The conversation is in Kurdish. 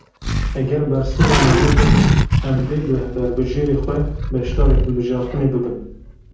Eger bersiva me nedin em dê bi berbijêrê xwe beşdarî hilbijartinê bibin.